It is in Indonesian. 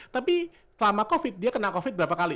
tapi selama covid dia kena covid berapa kali